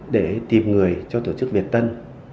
để tìm người cho tổ chức việt tân